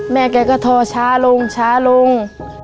แม่ไก่ก็ทอช้าลง